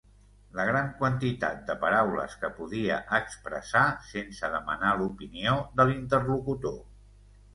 La gran quantitat de paraules que podia expressar sense demanar l'opinió de l'interlocutor.